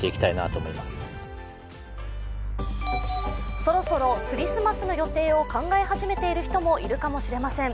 そろそろクリスマスの予定を考え始めている人もいるかもしれません。